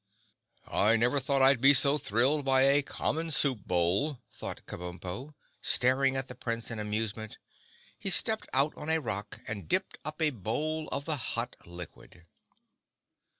"I never thought I'd be so thrilled by a common soup bowl," thought Kabumpo, staring at the Prince in amusement. He stepped out on a rock and dipped up a bowl of the hot liquid.